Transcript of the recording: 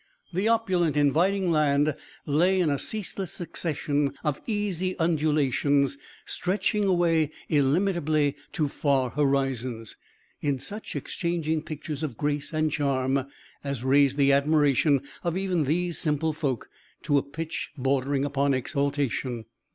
The opulent, inviting land lay in a ceaseless succession of easy undulations, stretching away illimitably to far horizons, "in such exchanging pictures of grace and charm as raised the admiration of even these simple folk to a pitch bordering upon exaltation."